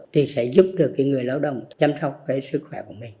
thì sẽ giúp được cái người lao động chăm sóc cái sức khỏe của mình